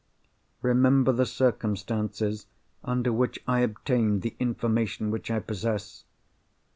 Remember the circumstances under which I obtained the information which I possess!